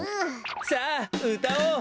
さあうたおう！